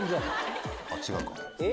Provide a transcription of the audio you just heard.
あっ違うか。